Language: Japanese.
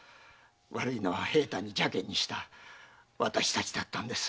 悪いのは平太に邪険にした私たちだったんです。